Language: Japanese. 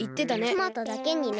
トマトだけにね。